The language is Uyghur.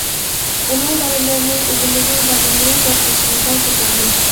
ئۇنىڭ بالىلىرىنى ئۆزىمىزنىڭ بالىلىرى دەپ بېشىمىزدا كۆتۈرىمىز.